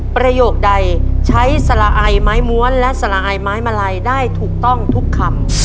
ประโยคใดใช้สละอายไม้ม้วนและสละอายไม้มาลัยได้ถูกต้องทุกคำ